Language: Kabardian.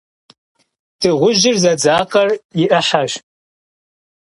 Dığujır zedzakher yi 'ıheş.